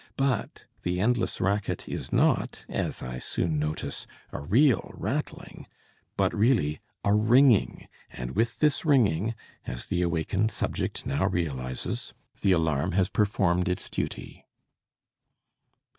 But the endless racket is not, as I soon notice, a real rattling, but really a ringing and with this ringing, as the awakened subject now realizes, the alarm has performed its duty."